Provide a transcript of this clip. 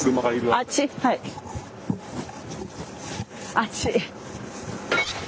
あっち。